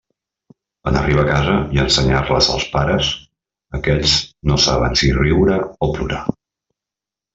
En arribar a casa i ensenyar-les als pares, aquests no saben si riure o plorar.